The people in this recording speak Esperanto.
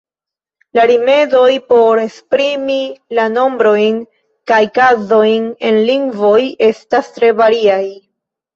La rimedoj por esprimi la nombrojn kaj kazojn en lingvoj estas tre variaj.